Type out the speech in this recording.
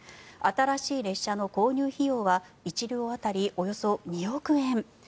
新しい列車の購入費用は１両当たりおよそ２億円。